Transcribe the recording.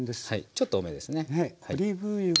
ちょっと多めですね。